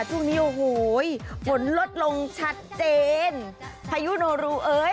ช่วงนี้โอ้โหฝนลดลงชัดเจนพายุโนรูเอ้ย